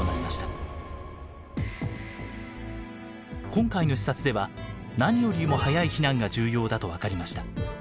今回の視察では何よりも早い避難が重要だと分かりました。